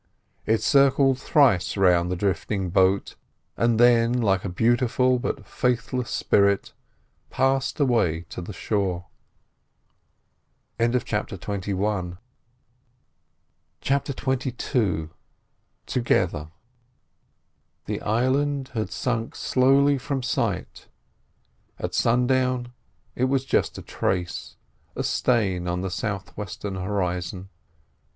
It circled thrice round the drifting boat, and then, like a beautiful but faithless spirit, passed away to the shore. CHAPTER XXII TOGETHER The island had sunk slowly from sight; at sundown it was just a trace, a stain on the south western horizon.